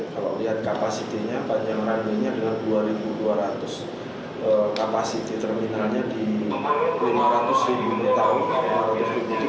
kalau lihat kapasitinya panjang runway nya dengan dua dua ratus kapasiti terminalnya di lima ratus ribu meter